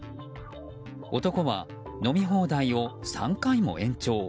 男は飲み放題を３回も延長。